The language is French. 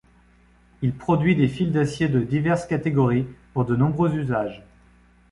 Il produit des fils d'acier de diverses catégories pour de nombreux usages.